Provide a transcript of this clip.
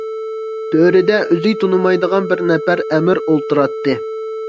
تۆردە ئۆزى تونۇمايدىغان بىر نەپەر ئەمىر ئولتۇراتتى.